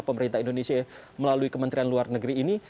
pemerintah indonesia melalui kementerian luar negeri ini